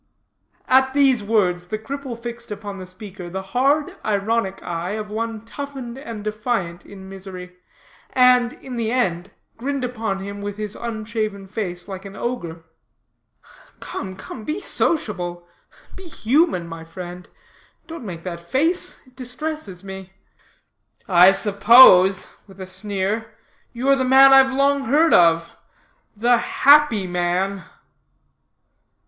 At these words the cripple fixed upon the speaker the hard ironic eye of one toughened and defiant in misery, and, in the end, grinned upon him with his unshaven face like an ogre. "Come, come, be sociable be human, my friend. Don't make that face; it distresses me." "I suppose," with a sneer, "you are the man I've long heard of The Happy Man."